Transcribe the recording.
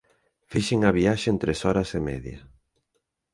Fixen a viaxe en tres horas e media.